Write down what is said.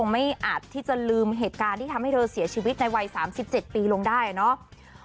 ไม่อาจที่จะลืมเหตุการณ์ที่ทำให้เธอเสียชีวิตในวัย๓๗ปีลงได้เนาะ